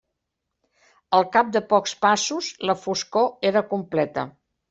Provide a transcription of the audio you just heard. Al cap de pocs passos la foscor era completa.